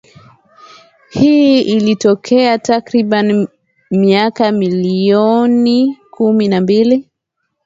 Hii ilitokea takriban miaka milioni kumi na mbili